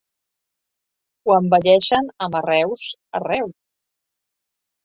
Ho embelleixen amb arreus, arreu.